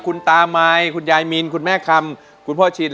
คุณยายมีนคุณแม่คำคุณพ่อชิน